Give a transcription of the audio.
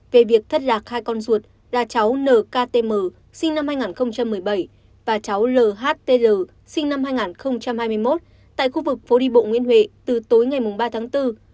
về việc thất lạc hai con ruột là cháu nktm sinh năm hai nghìn một mươi bảy và cháu ltr sinh năm hai nghìn hai mươi một tại khu vực phố đi bộ nguyễn huệ từ tối ngày ba tháng bốn